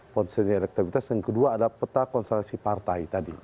potensi elektabilitas dan kedua ada peta konservasi partai tadi